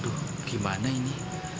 aduh gimana ini